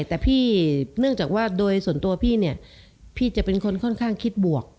แต่พี่เนื่องจากว่าโดยส่วนตัวพี่เนี่ยพี่จะเป็นคนค่อนข้างคิดบวก